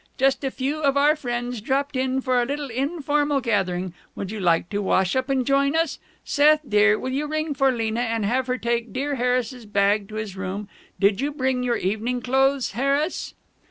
Just a few of our friends dropped in for a little informal gathering. Would you like to wash up and join us? Seth dear, will you ring for Lena and have her take dear Harris's bag to his room? Did you bring your evening clothes, Harris?"